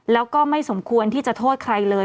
แล้วก็ไม่สมควรที่จะโทษใครเลย